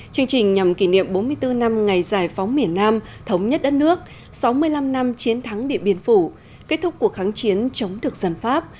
chương trình nhằm kỷ niệm bốn mươi bốn năm ngày giải phóng miền nam thống nhất đất nước sáu mươi năm năm chiến thắng địa biên phủ kết thúc cuộc kháng chiến chống thực dân pháp